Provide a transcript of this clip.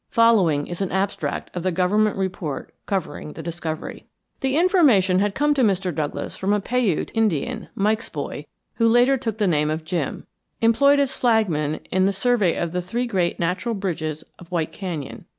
Following is an abstract of the government report covering the discovery: "The information had come to Mr. Douglass from a Paiute Indian, Mike's Boy, who later took the name of Jim, employed as flagman in the survey of the three great natural bridges of White Canyon.